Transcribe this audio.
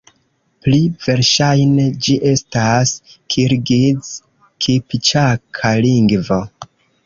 Pli verŝajne, ĝi estas kirgiz-kipĉaka lingvo.